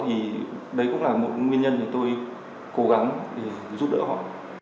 thì đấy cũng là một nguyên nhân mà tôi cố gắng để giúp đỡ họ